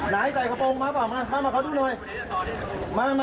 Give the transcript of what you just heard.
ไหนใส่กระโปรงมาหรือเปล่ามามาขอครึ่งหน่อย